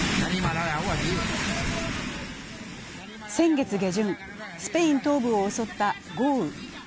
先月下旬、スペイン東部を襲った豪雨。